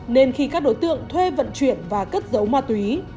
nên khi các đối tượng thuê vận chuyển và cất giấu ma túy